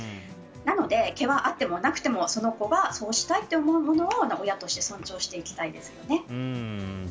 なので毛はあってもなくてもその子がそうしたいと思うものを親として尊重していきたいですよね。